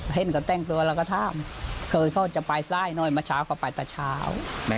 เห็นก็แต่งตัวแล้วก็ถามเคยเขาจะไปซ้ายหน่อยเมื่อเช้าก็ไปแต่เช้า